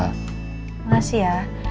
terima kasih ya